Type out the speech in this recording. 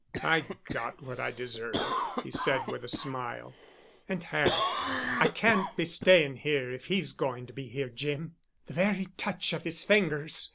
"I got what I deserved," he said with a smile. "And Harry? I can't be staying here if he's going to be here, Jim. The very touch of his fingers